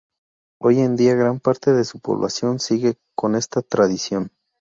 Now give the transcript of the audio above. Hoy en día gran parte de su población sigue con esta tradición.